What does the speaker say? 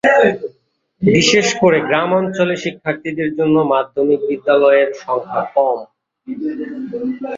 বিশেষ করে গ্রামাঞ্চলে শিক্ষার্থীদের জন্য মাধ্যমিক বিদ্যালয়ের সংখ্যা কম।